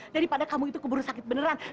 daripada kamu itu keburu sakit beneran